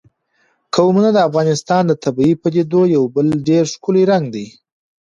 قومونه د افغانستان د طبیعي پدیدو یو بل ډېر ښکلی رنګ دی.